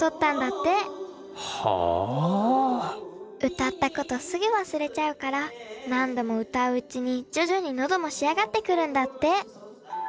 歌ったことすぐ忘れちゃうから何度も歌ううちに徐々に喉も仕上がってくるんだって。